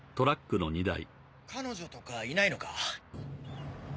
彼女とかいないのか？